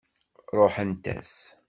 Ṛuḥent-as.